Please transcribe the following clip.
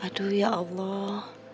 aduh ya allah